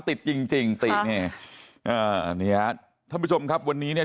ติดจริงจริงติดเนี่ยอ่านี่ฮะท่านผู้ชมครับวันนี้เนี่ย